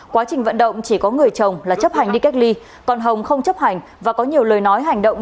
quá trình vận động chỉ có người chồng là chấp hành đi cách ly còn hồng không chấp hành và có nhiều lời nói hành động